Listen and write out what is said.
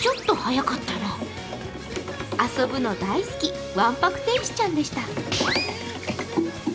遊ぶの大好きわんぱく天使ちゃんでした。